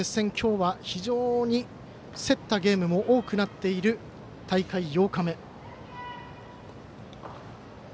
今日は非常に競ったゲームが多くなっている大会８日目。